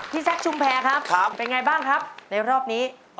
พี่แซคชุมแพร่ครับเป็นอย่างไรบ้างครับแรกรอบนี้